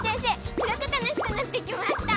すごく楽しくなってきました。